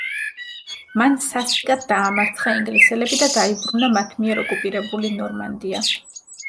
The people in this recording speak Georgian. მან სასტიკად დაამარცხა ინგლისელები და დაიბრუნა მათ მიერ ოკუპირებული ნორმანდია.